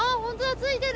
ついてる。